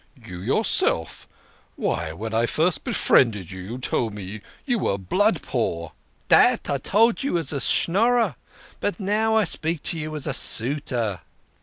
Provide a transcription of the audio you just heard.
" You yourself ! Why, when I first befriended you, you told me you were blood poor." " Dat I told you as a Schnorrer. But now I speak to you as a suitor."